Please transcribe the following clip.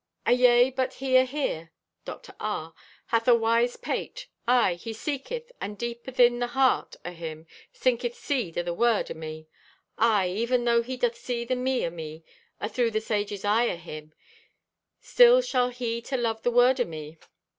Ayea, but he ahere (Dr. R.) hath a wise pate. Aye, he seeketh, and deep athin the heart o' him sinketh seed o' the word o' me. Aye, even though he doth see the me o' me athrough the sage's eye o' him, still shall he to love the word o' me."